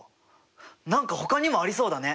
何かほかにもありそうだね？